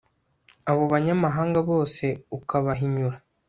abo banyamahanga bose ukabahinyura